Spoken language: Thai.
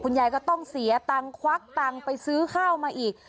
ยายก็ต้องเสียตังค์ควักตังค์ไปซื้อข้าวมาอีก